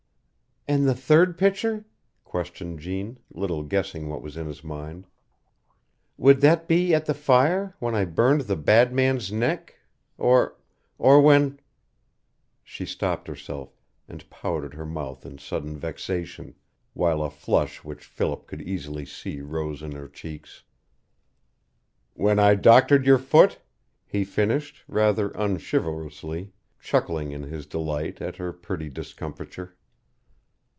"And the third picture?" questioned Jeanne, little guessing what was in his mind. "Would that be at the fire, when I burned the bad man's neck or or when " She stopped herself, and pouted her mouth in sudden vexation, while a flush which Philip could easily see rose in her cheeks. "When I doctored your foot?" he finished, rather unchivalrously, chuckling in his delight at her pretty discomfiture.